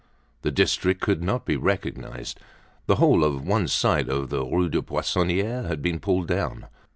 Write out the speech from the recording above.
The district could not be recognized. The whole of one side of the Rue des Poissonniers had been pulled down.